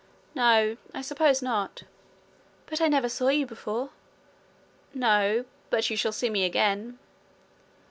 'No. I suppose not.' 'But I never saw you before.' 'No. But you shall see me again.'